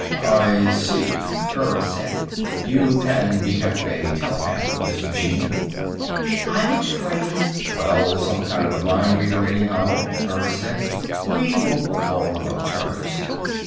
"I see," Burris said. "You can detect a telepath with this machine." "I'm afraid " "Well, some kind of a mind reader anyhow," Burris said. "We won't quarrel about terms."